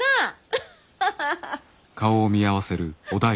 アッハハハ！